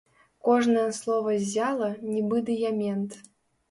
Кожнае слова ззяла, нібы дыямент.